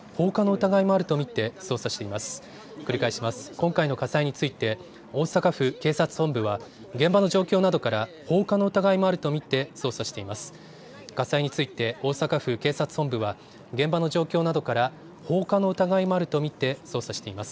今回の火災について大阪府警察本部は現場の状況などから放火の疑いもあると見て捜査しています。